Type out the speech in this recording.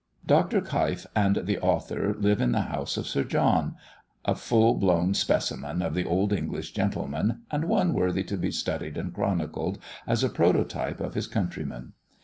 Dr. Keif and the author live in the house of Sir John , a full blown specimen of the old English gentleman, and one worthy to be studied and chronicled as a prototype of his countrymen.